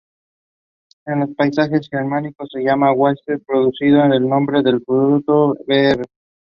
En los países germánicos se llama "wasser", precedido del nombre del fruto —vg.